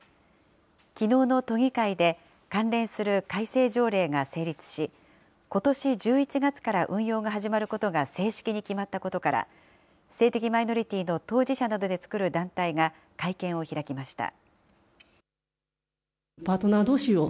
きのうの都議会で、関連する改正条例が成立し、ことし１１月から運用が始まることが正式に決まったことから、性的マイノリティーの当事者などで作る団体が会見を開きました。